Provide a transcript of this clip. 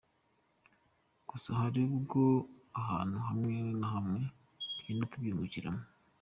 Gusa hari ubwo ahantu hamwe na hamwe tugenda tubyungukiramo.